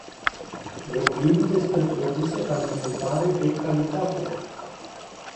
Vorbim despre produse alimentare de calitate!